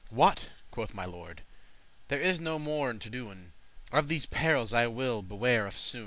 "What?" quoth my lord, "there is no more to do'n, Of these perils I will beware eftsoon.